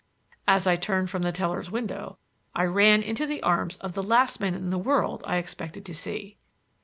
As I turned from the teller's window I ran into the arms of the last man in the world I expected to see.